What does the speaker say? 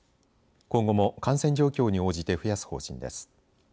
今後も感染状況に応じて増やす方針です。